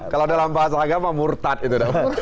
kalau dalam bahasa agama murtad itu